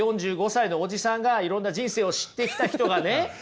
４５歳のおじさんがいろんな人生を知ってきた人がね